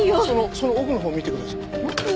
その奥のほう見てください。